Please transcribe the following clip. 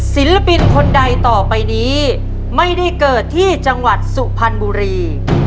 ศิลปินคนใดต่อไปนี้ไม่ได้เกิดที่จังหวัดสุพรรณบุรี